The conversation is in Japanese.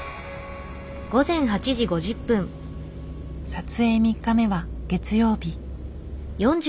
撮影３日目は月曜日。